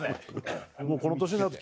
もうこの年になって。